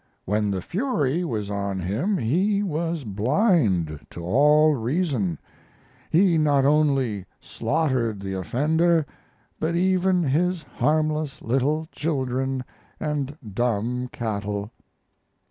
When the fury was on him he was blind to all reason he not only slaughtered the offender, but even his harmless little children and dumb cattle....